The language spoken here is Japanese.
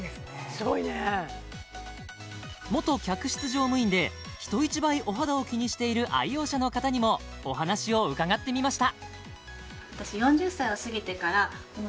すごいね元客室乗務員で人一倍お肌を気にしている愛用者の方にもお話を伺ってみました